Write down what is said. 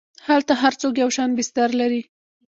هلته هر څوک یو شان بستر لري.